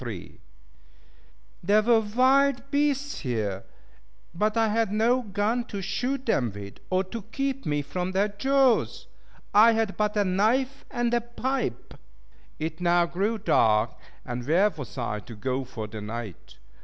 There were wild beasts here, but I had no gun to shoot them with, or to keep me from their jaws. I had but a knife and a pipe. It now grew dark; and where was I to go for the night?